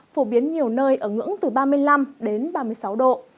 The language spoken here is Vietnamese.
phổ biến nhiều nơi ở ngưỡng từ ba mươi năm đến ba mươi sáu độ